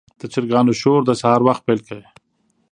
د چرګانو شور د سهار وخت پیل کړ.